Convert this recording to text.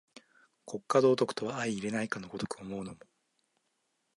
国家道徳と相容れないかの如く思うのも、